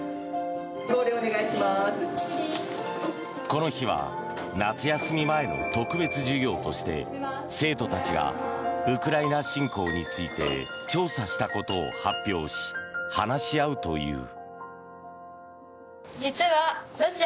この日は夏休み前の特別授業として、生徒たちがウクライナ侵攻について調査したことを発表し話し合うという。